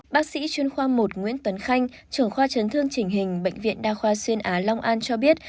bác sĩ chuyên khoa một nguyễn tuấn khanh trưởng khoa chấn thương chỉnh hình bệnh viện đa khoa xuyên á long an cho biết